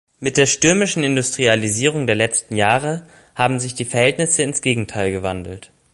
Mit der stürmischen Industrialisierung der letzten Jahre haben sich die Verhältnisse ins Gegenteil gewandelt.